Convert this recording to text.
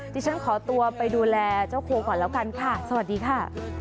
ที่ฉันขอตัวไปดูแลเจ้าครัวก่อนแล้วกันค่ะสวัสดีค่ะ